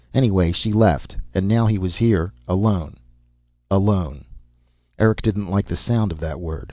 Anyway, she left. And now he was here alone. Alone. Eric didn't like the sound of that word.